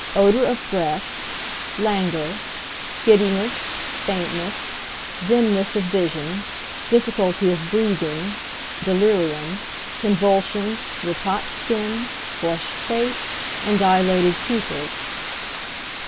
_ Odour of breath, languor, giddiness, faintness, dimness of vision, difficulty of breathing, delirium, convulsions, with hot skin, flushed face, and dilated pupils.